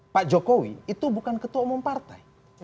pak jokowi itu bukan ketua umum partai